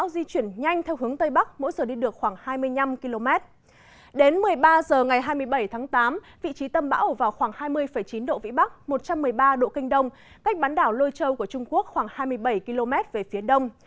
đến một mươi ba h ngày hai mươi bảy tháng tám vị trí tâm bão ở vào khoảng hai mươi chín độ vĩ bắc một trăm một mươi ba độ kinh đông cách bán đảo lôi châu của trung quốc khoảng hai mươi bảy km về phía đông